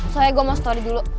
soalnya gue mau story dulu